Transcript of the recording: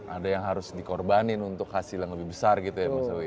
ada yang harus dikorbanin untuk hasil yang lebih besar gitu ya mas owi